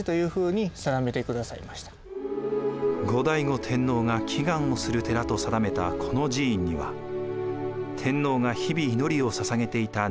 後醍醐天皇が祈願をする寺と定めたこの寺院には天皇が日々祈りをささげていた念持仏があります。